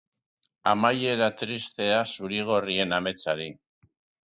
Amaiera tristea zuri-gorrien ametsari.